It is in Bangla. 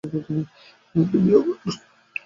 তুমি মারা গিয়েছিলে, নরম্যান।